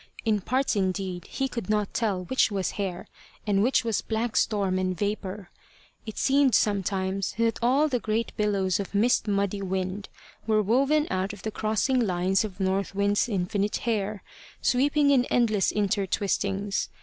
In parts indeed he could not tell which was hair and which was black storm and vapour. It seemed sometimes that all the great billows of mist muddy wind were woven out of the crossing lines of North Wind's infinite hair, sweeping in endless intertwistings.